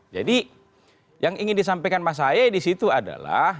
jadi yang ingin disampaikan mas ahaya disitu adalah